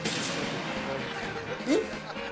えっ？